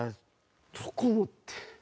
どこ持って。